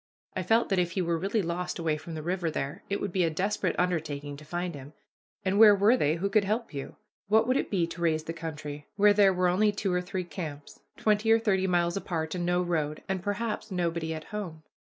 I felt that if he were really lost away from the river there, it would be a desperate undertaking to find him; and where were they who could help you? What would it be to raise the country, where there were only two or three camps, twenty or thirty miles apart, and no road, and perhaps nobody at home?